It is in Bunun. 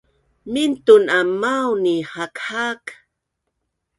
Mintun aam maun i hakhak